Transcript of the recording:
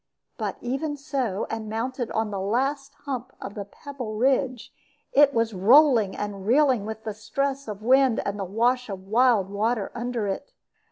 But even so, and mounted on the last hump of the pebble ridge, it was rolling and reeling with stress of the wind and the wash of wild water under it.